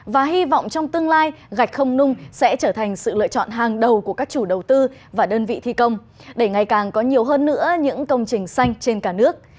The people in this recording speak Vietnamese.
và hy vọng trong tương lai gạch không nung sẽ trở thành sự lựa chọn hàng đầu của các chủ đầu tư và đơn vị thi công để ngày càng có nhiều hơn nữa những công trình xanh trên cả nước